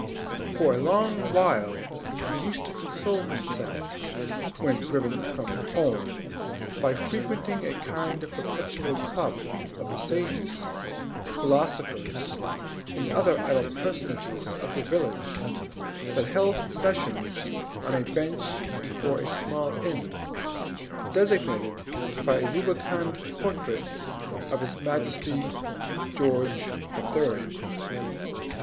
For a long while he used to console himself, when driven from home, by frequenting a kind of perpetual club of the sages, philosophers, and other idle personages of the village, which held its sessions on a bench before a small inn, designated by a rubicund portrait of His Majesty George the Third.